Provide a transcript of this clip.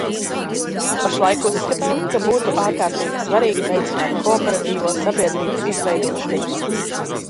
Pašlaik uzskatām, ka būtu ārkārtīgi svarīgi veicināt kooperatīvo sabiedrību izveidošanos.